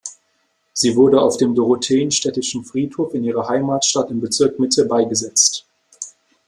Sie wurde auf dem Dorotheenstädtischen Friedhof in ihrer Heimatstadt im Bezirk Mitte beigesetzt.